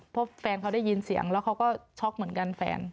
เพราะแฟนเขาได้ยินเสียงแล้วเขาก็ช็อกเหมือนกันแฟน